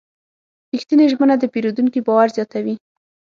رښتینې ژمنه د پیرودونکي باور زیاتوي.